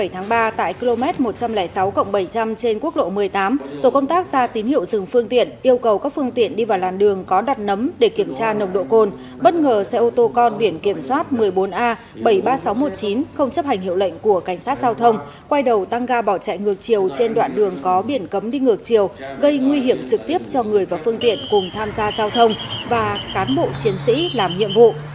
hai mươi bảy tháng ba tại km một trăm linh sáu bảy trăm linh trên quốc lộ một mươi tám tổ công tác ra tín hiệu dừng phương tiện yêu cầu các phương tiện đi vào làn đường có đặt nấm để kiểm tra nồng độ côn bất ngờ xe ô tô con biển kiểm soát một mươi bốn a bảy mươi ba nghìn sáu trăm một mươi chín không chấp hành hiệu lệnh của cảnh sát giao thông quay đầu tăng ga bỏ chạy ngược chiều trên đoạn đường có biển cấm đi ngược chiều gây nguy hiểm trực tiếp cho người và phương tiện cùng tham gia giao thông và cán bộ chiến sĩ làm nhiệm vụ